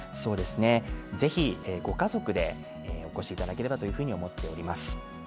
ぜひご家族でお越しいただければと思っております。